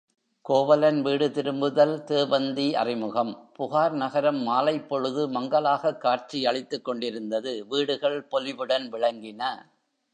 கோவலன் வீடு திரும்புதல் தேவந்தி அறிமுகம் புகார்நகரம் மாலைப்பொழுது மங்கலமாகக் காட்சி அளித்துக் கொண்டிருந்தது வீடுகள் பொலிவுடன் விளங்கின.